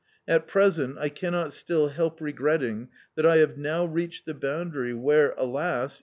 At present I cannot still help re gretting that I have now reached the boundary where, alas